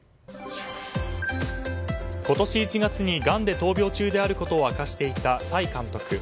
今年１月に、がんで闘病中であることを明かしていた崔監督。